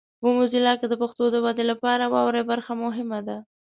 په موزیلا کې د پښتو د ودې لپاره واورئ برخه مهمه ده.